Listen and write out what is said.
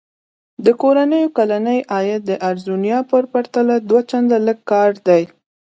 د کورنیو کلنی عاید د اریزونا په پرتله دوه چنده لږ دی.